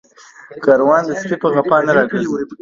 کاروان د سپي په غپا نه راگرځي